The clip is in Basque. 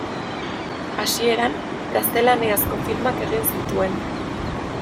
Hasieran, gaztelaniazko filmak egin zituen.